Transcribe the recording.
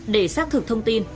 để xác thực thông tin